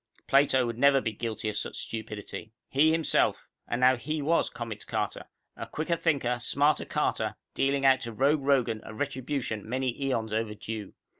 Plato would never be guilty of such stupidity. He himself and now he was Comets Carter, a quicker thinker, smarter Carter, dealing out to Rogue Rogan a retribution many eons overdue.